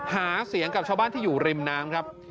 หาเสียงกับชาวบ้านที่อยู่ริมน้ำครับ